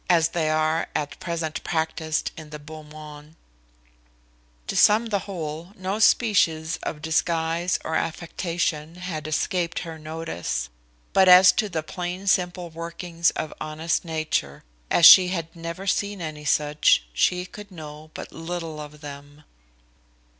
as they are at present practised in the beau monde. To sum the whole, no species of disguise or affectation had escaped her notice; but as to the plain simple workings of honest nature, as she had never seen any such, she could know but little of them.